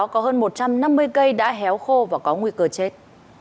một trăm năm mươi cây đã héo khô và có nguy cơ chết